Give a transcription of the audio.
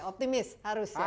saya optimis harus ya